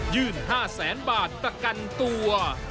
ยื่น๕แสนบาทแต่กันตัว